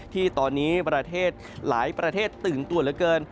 ที่ตอนนี้ประเทศหลายประเทศตื่นตัวเหลือเกิน